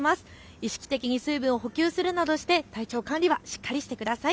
意識的に水分を補給するなどして体調管理、しっかりしてください。